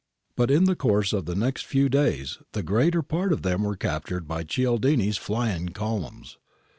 But in the course of the next few days the greater part of them were captured by Cialdini's flying columns.